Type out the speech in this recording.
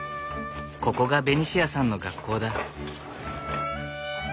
ここがベニシアさんの学校だ。